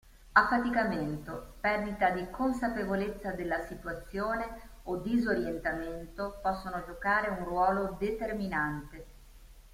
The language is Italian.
Affaticamento, perdita di consapevolezza della situazione o disorientamento possono giocare un ruolo determinante.